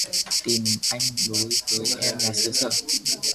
Tình anh đối với em là xứ sở